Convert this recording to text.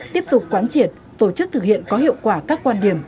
tiếp tục quán triệt tổ chức thực hiện có hiệu quả các quan điểm